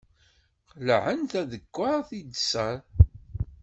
Qelɛen tadekkart i ddser.